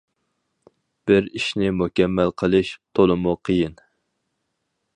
بىر ئىشنى مۇكەممەل قىلىش تولىمۇ قىيىن.